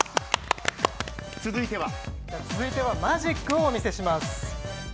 続いてはマジックをお見せします。